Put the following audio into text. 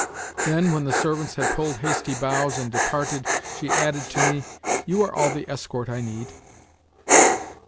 Then, when the servants had pulled hasty bows and departed, she added to me: "You are all the escort I need."